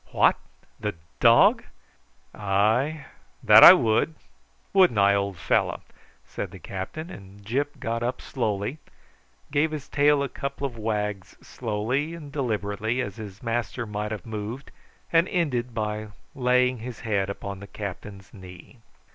"What! the dog? Ay, that I would; wouldn't I, old fellow?" said the captain; and Gyp got up slowly, gave his tail a couple of wags slowly and deliberately, as his master might have moved, and ended by laying his head upon the captain's knee.